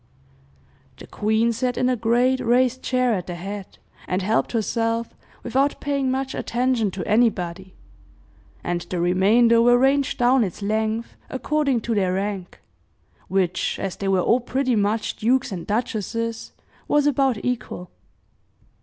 The queen sat in a great, raised chair at the head, and helped herself without paying much attention to anybody, and the remainder were ranged down its length, according to their rank which, as they were all pretty much dukes and duchesses, was about equal.